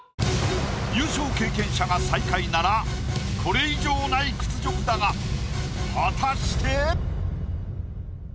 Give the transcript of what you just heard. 優勝経験者が最下位ならこれ以上ない屈辱だが果たして？